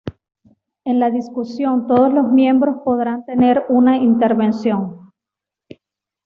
En la discusión todos los miembros podrán tener una intervención.